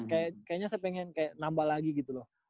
jadi kayaknya saya pengen kayak nambah lagi gitu loh